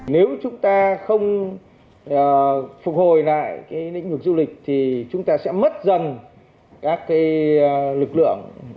nếu chúng ta không phục hồi lại lĩnh vực du lịch thì chúng ta sẽ mất dần các lực lượng